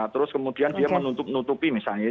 terus kemudian dia menutup nutupi misalnya